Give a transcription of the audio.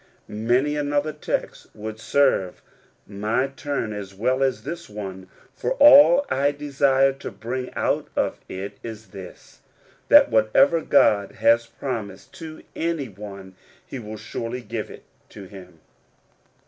Many another text would serve my turn as well as this one, for all I desire to bring out of it is this — that whatever God has promised to any one, he will surely give it to him.